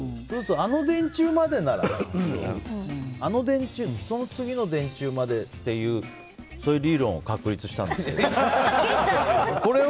あの電柱までならとかその次の電柱までっていうそういう理論を確立したんですよ。